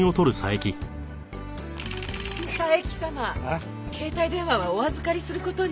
佐伯様携帯電話はお預かりする事に。